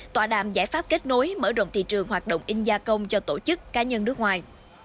tòa đàm giải pháp kết nối mở rộng thị trường hoạt động in gia công cho tổ chức cá nhân nước ngoài